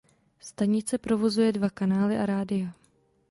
Stanice provozuje dva kanály a rádia.